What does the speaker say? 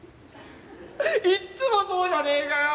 いっつもそうじゃねえかよ！